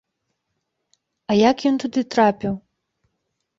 А як ён туды трапіў?